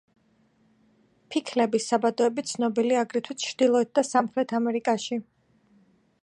ფიქლების საბადოები ცნობილია აგრეთვე ჩრდილოეთ და სამხრეთ ამერიკაში.